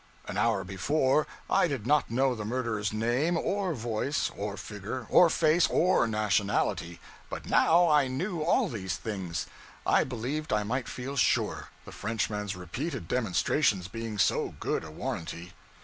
An hour before, I did not know the murderer's name, or voice, or figure, or face, or nationality; but now I knew all these things! I believed I might feel sure; the Frenchman's repeated demonstrations being so good a warranty.